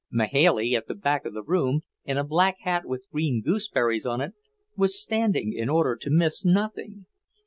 Mahailey, at the back of the room, in a black hat with green gooseberries on it, was standing, in order to miss nothing.